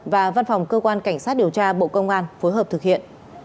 và văn phòng cơ quan cảnh sát điều tra bộ công an phối hợp thực hiện